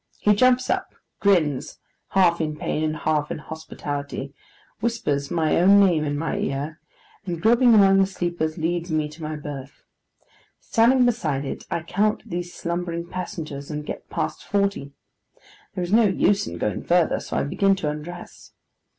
He jumps up, grins, half in pain and half in hospitality; whispers my own name in my ear; and groping among the sleepers, leads me to my berth. Standing beside it, I count these slumbering passengers, and get past forty. There is no use in going further, so I begin to undress.